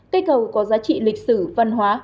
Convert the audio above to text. cây cầu có giá trị lịch sử văn hóa